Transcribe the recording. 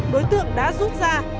đối tượng đã rút ra